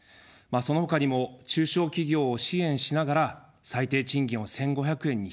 そのほかにも中小企業を支援しながら、最低賃金を１５００円に引き上げていく。